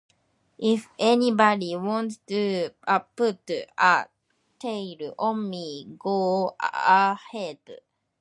If anybody wants to put a tail on me, go ahead.